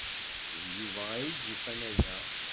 D Yuba ay d-yufan aya.